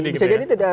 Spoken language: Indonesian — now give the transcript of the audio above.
bisa jadi gitu ya